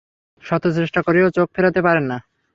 শত চেষ্টা করেও চোখ ফিরাতে পারেন না।